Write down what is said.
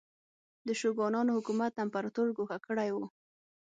د شوګانانو حکومت امپراتور ګوښه کړی و.